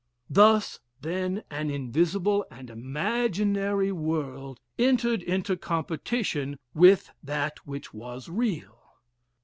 "Thus, then, an invisible and imaginary world entered into competition with that which was real.